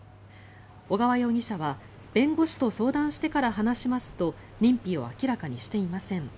小川容疑者は弁護士と相談してから話しますと認否を明らかにしていません。